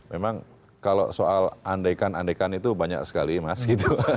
memang kalau soal andaikan andaikan itu banyak sekali mas gitu